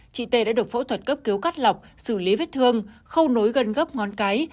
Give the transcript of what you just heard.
chị tê đã được phẫu thuật cấp cứu cắt lọc xử lý vết thương khâu nối gần gấp ngón cái